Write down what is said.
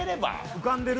浮かんでる？